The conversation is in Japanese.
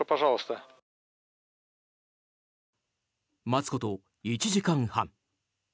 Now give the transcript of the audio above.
待つこと１時間半。